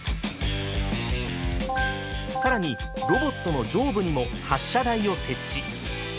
更にロボットの上部にも発射台を設置。